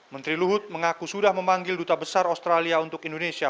menteri luhut mengaku sudah memanggil duta besar australia untuk indonesia